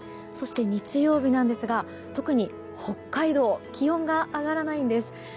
そして、日曜日なんですが特に北海道気温が上がらないんです。